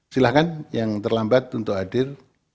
silahkan yang terlambat untuk hadir